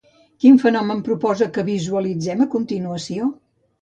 Quin fenomen proposa que visualitzem a continuació?